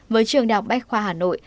với trường đọc bách khoa hà nội